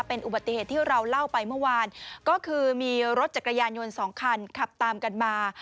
เป็นอุบัติเหตุที่เราเล่าไปเมื่อวานก็คือมีรถจักรยานยนต์สองคันขับตามกันมา